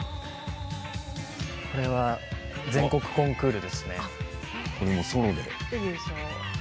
これは全国コンクールですね。